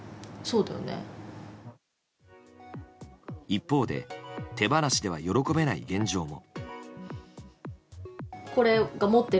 一方で手放しでは喜べない現状も。